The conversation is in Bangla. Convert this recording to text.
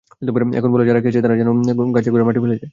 এখন বলো, যারা খেয়েছে তারা যেন গাছের গোড়ায় মাটি ফেলে যায়।